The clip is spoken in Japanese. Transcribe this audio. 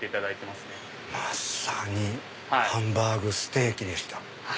まさにハンバーグステーキでした。